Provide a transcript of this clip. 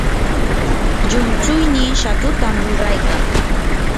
llumtsuynii shatutam ruraykan.